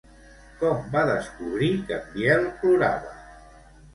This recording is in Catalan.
Com va descobrir que en Biel plorava?